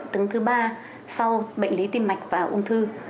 đứng thứ ba sau bệnh lý tim mạch và ung thư